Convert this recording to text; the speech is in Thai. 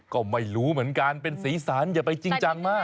ก็ไม่รู้เหมือนกันเป็นสีสันอย่าไปจริงจังมาก